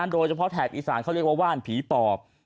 โดยเฉพาะแถบอีสานเขาเรียกว่าว่านผีปอบ